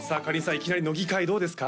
いきなり乃木回どうですか？